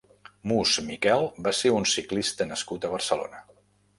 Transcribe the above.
Muç Miquel va ser un ciclista nascut a Barcelona.